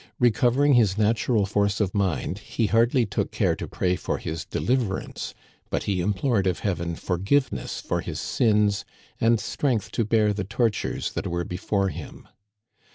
Recovering his natural force of mind, he hardly took care to pray for his deliverance ; but he implored of Heaven forgiveness for his sins and strength to bear the tortures that were before him.